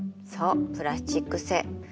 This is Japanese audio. そうプラスチック製。